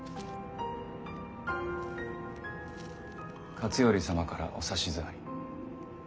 勝頼様からお指図あり。